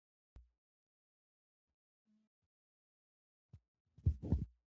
که چاپیریال پاک وي نو ناروغۍ به زموږ له کوره لیري وي.